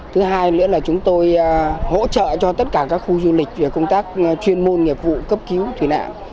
thứ hai nữa là chúng tôi hỗ trợ cho tất cả các khu du lịch về công tác chuyên môn nghiệp vụ cấp cứu thủy nạn